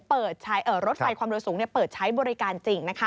เปิดรถไฟความเร็วสูงเปิดใช้บริการจริง